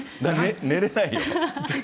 寝れないよ。